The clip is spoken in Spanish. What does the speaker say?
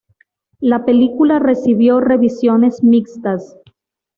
La película recibió revisiones mixtas.